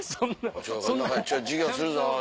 「授業するぞ」って。